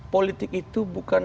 politik itu bukan